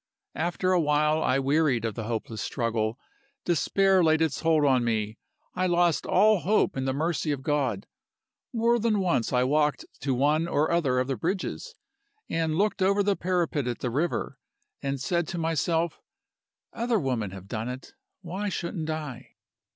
After a while I wearied of the hopeless struggle. Despair laid its hold on me I lost all hope in the mercy of God. More than once I walked to one or other of the bridges, and looked over the parapet at the river, and said to myself 'Other women have done it: why shouldn't I?